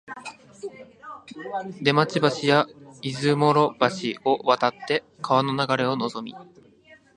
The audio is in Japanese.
出町橋や出雲路橋を渡って川の流れをのぞみ、